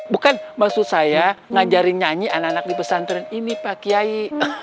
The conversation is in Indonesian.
bukan maksud saya ngajarin nyanyi anak anak di pesantren ini pak kiai